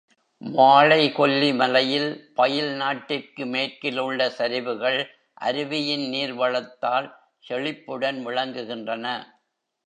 வாழை கொல்லி மலையில் பயில் நாட்டிற்கு மேற்கில் உள்ள சரிவுகள் அருவியின் நீர்வளத்தால் செழிப்புடன் விளங்குகின்றன.